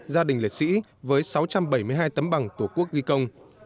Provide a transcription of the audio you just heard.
gia đình liệt sĩ với sáu trăm bảy mươi hai tấm bằng tổ quốc ghi công